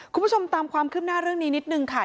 คุณผู้ชมตามความคืบหน้าเรื่องนี้นิดนึงค่ะ